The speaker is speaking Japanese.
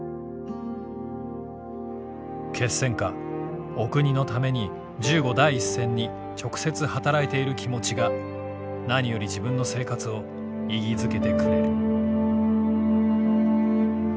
「決戦下お国のために銃後第一線に直接働いて居る気持ちが何より自分の生活を意義づけてくれる」。